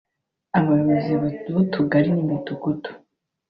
Abayobozi b’utugari n’imidugudu